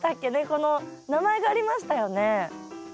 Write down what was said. この名前がありましたよね。